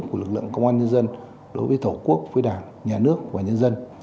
của lực lượng công an nhân dân đối với thổ quốc với đảng nhà nước và nhân dân